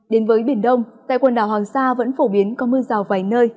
đến với biển đông tại quần đảo hoàng sa vẫn phổ biến có mưa rào vài nơi